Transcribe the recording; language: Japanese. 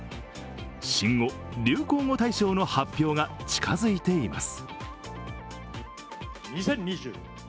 新語・流行語大賞の発表が近づいています。